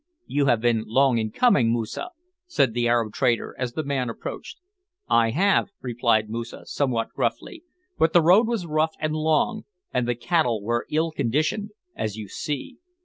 "You have been long in coming, Moosa," said the Arab trader, as the man approached. "I have," replied Moosa, somewhat gruffly, "but the road was rough and long, and the cattle were ill conditioned, as you see."